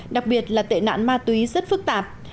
đặc biệt là tệ nạn ma túy rất phức tạp